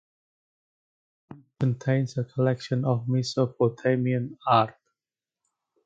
It contains a collection of Mesopotamian art.